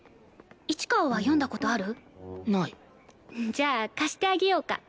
じゃあ貸してあげようか？